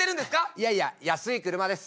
いやいや安い車です。